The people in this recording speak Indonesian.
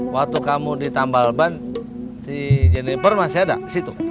waktu kamu di tambal ban si jeniper masih ada di situ